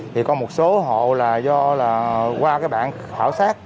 thì có một số hộ là do là qua cái bản khảo sát